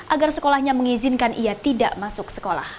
agar sekolahnya mengizinkan ia tidak masuk sekolah